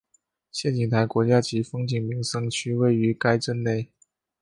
仙景台国家级风景名胜区位于该镇内。